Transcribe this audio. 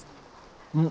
うん。